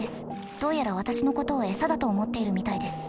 どうやら私のことを餌だと思っているみたいです。